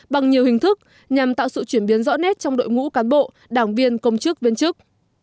bằng nhiều hình thức nhằm tạo sự chuyển biến rõ nét trong đội ngũ cán bộ đảng viên công chức viên chức